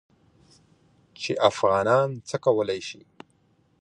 چې افغانان څه کولی شي.